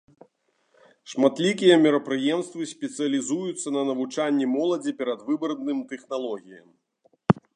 Шматлікія мерапрыемствы спецыялізуюцца на навучанні моладзі перадвыбарным тэхналогіям.